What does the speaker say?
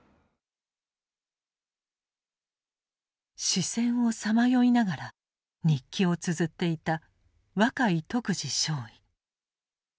死線をさまよいながら日記をつづっていた若井徳次少尉。